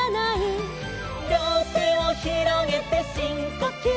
「りょうてをひろげてしんこきゅう」